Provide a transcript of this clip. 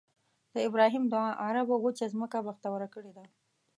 د ابراهیم دعا عربو وچه ځمکه بختوره کړې ده.